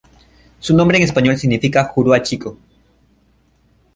Su nombre en español significa "Juruá Chico".